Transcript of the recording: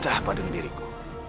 ada apa dengan diriku